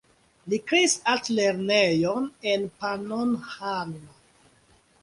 Li kreis altlernejon en Pannonhalma.